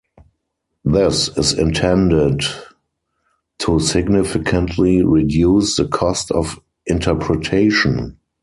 This is intended to significantly reduce the cost of interpretation.